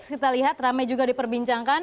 kita lihat rame juga diperbincangkan